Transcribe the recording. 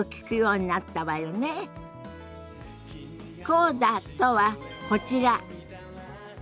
コーダとはこちら。